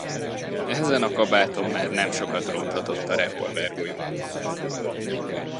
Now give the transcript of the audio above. Ezen a kabáton már nem sokat ronthatott a revolvergolyó.